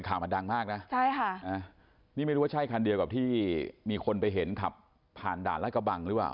ข่าวมันดังมากนะใช่ค่ะนี่ไม่รู้ว่าใช่คันเดียวกับที่มีคนไปเห็นขับผ่านด่านรัฐกระบังหรือเปล่า